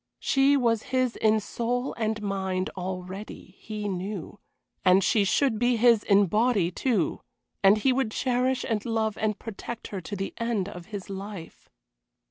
She was his in soul and mind already, he knew, and she should be his in body, too, and he would cherish and love and protect her to the end of his life.